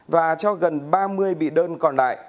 và cho gần ba mươi bị đơn còn lại